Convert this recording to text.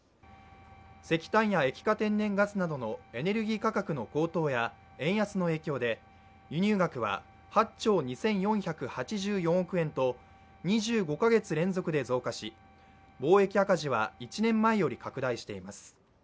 石炭や液化天然ガスなどのエネルギー価格の高騰や円安の影響で、輸入額は８兆２４８４億円と２５か月連続で増加し、貿易赤字は１年前より拡大しています。